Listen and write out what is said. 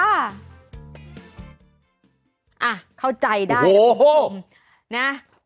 อ่ะเข้าใจได้นะคุณผู้ชมโอ้โห